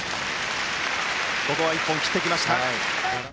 ここは一本切ってきました。